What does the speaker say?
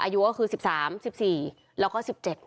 อายุก็คือ๑๓๑๔แล้วก็๑๗